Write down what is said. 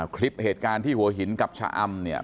คลิปเหตุการณ์ที่หัวหินกับชะอำเนี่ย